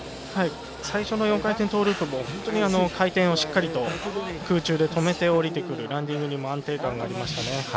最初の４回転トーループも回転をしっかりと空中で止めて降りてくる、ランディングにも安定感がありましたね。